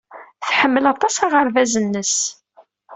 Tḥemmel aṭas aɣerbaz-nnes.